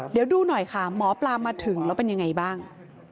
เดี๋ยวดูหน่อยค่ะหมอปลามาถึงแล้วเป็นยังไงบ้าง